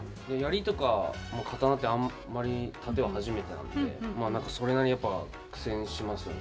槍とか刀ってあんまり殺陣は初めてなんでそれなりにやっぱ苦戦しますよね